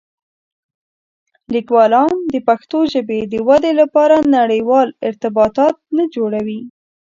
لیکوالان د پښتو ژبې د ودې لپاره نړيوال ارتباطات نه جوړوي.